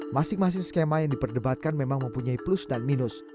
masing masing skema yang diperdebatkan memang mempunyai plus dan minus